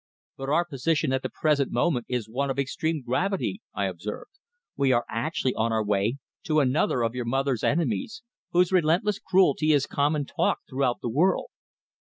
"But our position at the present moment is one of extreme gravity," I observed. "We are actually on our way to another of your mother's enemies, whose relentless cruelty is common talk throughout the world."